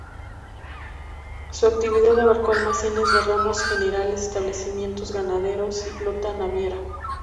Su actividad abarcó almacenes de ramos generales, establecimientos ganaderos y flota naviera.